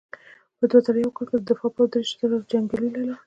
په دوه زره یو کال کې د دفاع پوځ دېرش زره جنګیالي لرل.